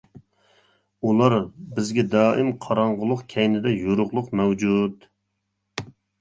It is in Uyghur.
ئۇلار بىزگە دائىم قاراڭغۇلۇق كەينىدە يورۇقلۇق مەۋجۇت.